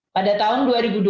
pada tahun dua ribu dua puluh